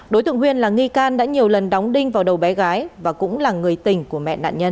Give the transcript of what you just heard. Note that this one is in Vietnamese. đối tượng huyên là nghi can đã nhiều lần đóng đinh vào đầu bé gái và cũng là người tình của mẹ nạn nhân